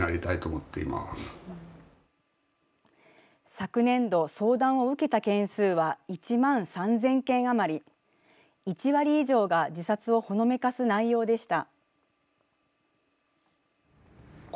昨年度相談を受けた件数は１万３０００件余り１割以上が自殺をほのめかす内容でした。